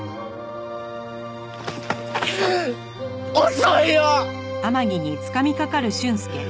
遅いよ！